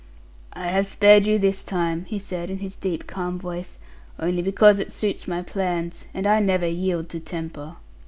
'I have spared you this time,' he said, in his deep calm voice, 'only because it suits my plans; and I never yield to temper.